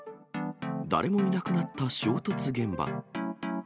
誰もいなくなった衝突現場。